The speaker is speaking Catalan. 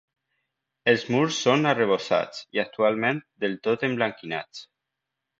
Els murs són arrebossats i actualment del tot emblanquinats.